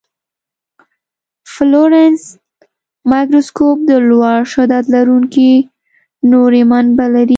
فلورسنټ مایکروسکوپ د لوړ شدت لرونکي نوري منبع لري.